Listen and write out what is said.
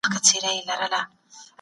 هغه د بادامو په خوړلو بوخت دی.